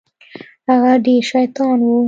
هغه ډېر شيطان و.